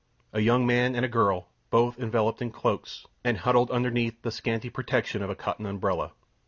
A young man and a girl, both enveloped in cloaks, and huddled beneath the scanty protection of a cotton umbrella.